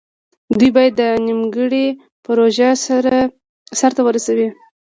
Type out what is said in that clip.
دوی باید دا نیمګړې پروژه سر ته ورسوي.